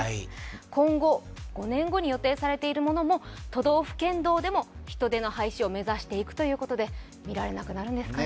今後５年後に予定されているものも都道府県道でも人手の廃止を目指していくということで見られなくなるんですかね。